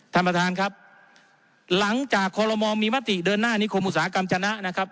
ท่านประธานครับหลังจากคอลโมมีมติเดินหน้านิคมอุตสาหกรรมชนะนะครับ